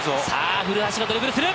古橋がドリブルする。